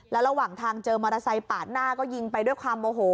แล้วระหว่างทางเจอมอเตอร์ไซค์ปาดหน้าก็ยิงไปด้วยความโมโห